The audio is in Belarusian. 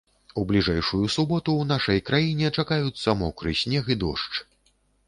У бліжэйшую суботу ў нашай краіне чакаюцца мокры снег і дождж.